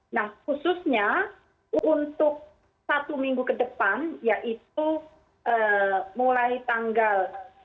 nah khususnya untuk satu minggu ke depan yaitu mulai tanggal dua puluh lima